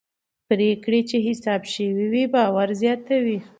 پرېکړې چې حساب شوي وي باور زیاتوي